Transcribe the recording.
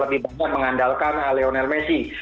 lebih banyak mengandalkan lionel messi